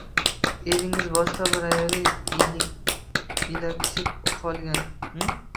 Eringiz boshqa bir ayolga ilakishib qolgan